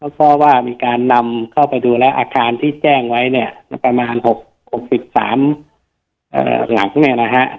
เพราะว่ามีการนำเข้าไปดูแล้วอาคารที่แจ้งไว้เนี่ยประมาณ๖๓หลังเนี่ยนะฮะ